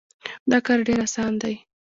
دا کار ډېر اسان دی.